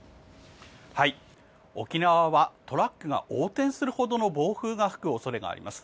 沖縄はトラックが横転するほどの暴風が吹く恐れがあります。